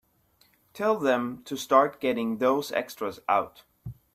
Tell them to start getting those extras out.